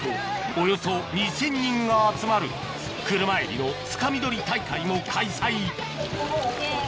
およそ２０００人が集まる車海老のつかみ取り大会も開催イエイ。